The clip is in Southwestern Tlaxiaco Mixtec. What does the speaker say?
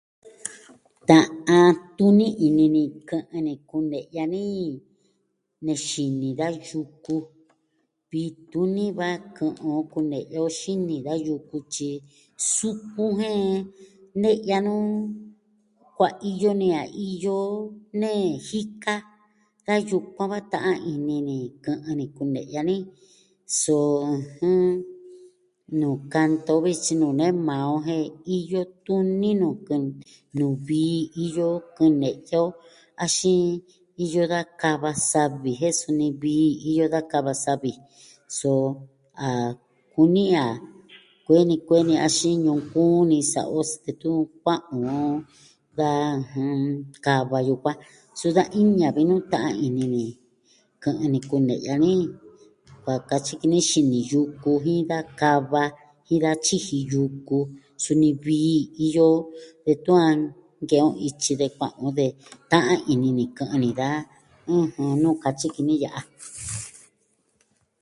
Ta'an tuni ini ni kɨ'ɨn ni kune'ya ni, ne xini da yuku vii tuni va kɨ'ɨn on kune'ya on xini da yuku, tyi sukun jen ne'ya nu kuaiyo ne a iyo ne jika, da yukuan va a ta'an ini ni kɨ'ɨn ni kune'ya ni. So nuu kanta on viji tyi nuu nee maa on jen iyo tuni nuu, nuu vii iyo kɨ'ɨn kune'ya on axin iyo da kava savi jen suni vii iyo da kava savi so a kuni a kueni kueni axin ñunkuun ni sa'a o detun kua'an on da kava yukuan suu da iña vi nuu ta'an ini ni kɨ'ɨn ni kune'ya ni. Kua katyi ki ni xini yuku jin da kava, jin da tyiji yuku suni vii iyo detun a nke'en on ityi de kua'an on de ta'an ini ni kɨ'ɨn ni da, ɨjɨn, nuu katyi ki ni ya'a.